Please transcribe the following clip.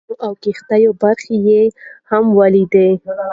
د ټرمونو او کښتیو برخې یې هم ولیدې.